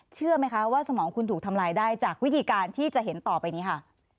เชื่อไหมคะว่าสมองคุณถูกทำลายได้จากวิธีการที่จะเห็นต่อไปนี้ค่ะ